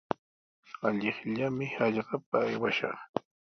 Allaqllami hallqapa aywashaq.